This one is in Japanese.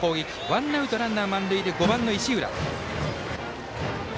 ワンアウトランナー満塁で５番の石浦。